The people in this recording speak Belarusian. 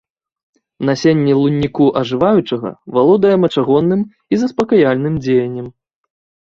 Насенне лунніку ажываючага валодае мачагонным і заспакаяльным дзеяннем.